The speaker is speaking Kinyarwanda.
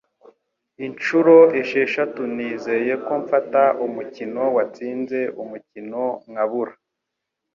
Inshuro esheshatu Nizeye ko mfata umukino watsinze umukino nkabura.